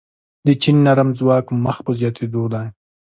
د چین نرم ځواک مخ په زیاتیدو دی.